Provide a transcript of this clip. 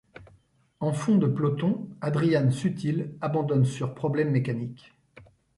En fond de peloton, Adrian Sutil abandonne sur problème mécanique.